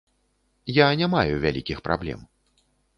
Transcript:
Я не маю вялікіх праблем.